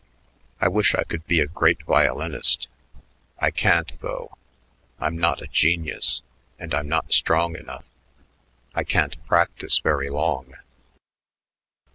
I wish I could be a great violinist. I can't, though. I'm not a genius, and I'm not strong enough. I can't practice very long."